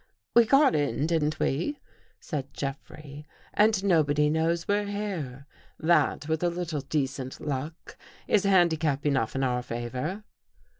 |" We got in, didn't we," said Jeffrey. " And nobody knows we're here. That, with a little i decent luck, is handicap enough in our favor."